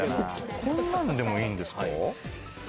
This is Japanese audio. こんなのでもいいんですか？